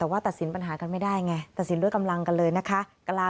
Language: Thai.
แต่ว่าตัดสินปัญหากันไม่ได้ไงตัดสินด้วยกำลังกันเลยนะคะ